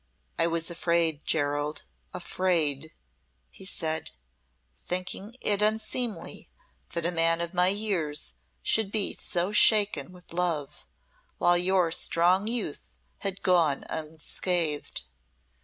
"I was afraid, Gerald; afraid," he said, "thinking it unseemly that a man of my years should be so shaken with love while your strong youth had gone unscathed.